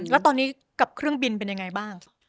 แล้วตอนนี้กับเครื่องบินเป็นยังไงบ้าง